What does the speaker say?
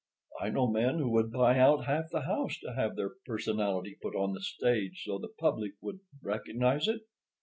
I know men who would buy out half the house to have their personality put on the stage so the public would recognize it."